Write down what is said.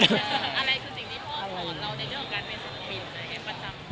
อะไรคือสิ่งที่ชอบของเราในเรื่องการเป็นศักดิ์บินในเครียมปัจจัง